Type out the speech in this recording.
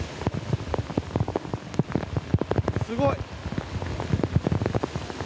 すごい。